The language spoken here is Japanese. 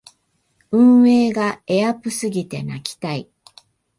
運営がエアプすぎて泣きたい